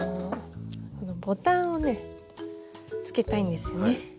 ボタンをねつけたいんですよね。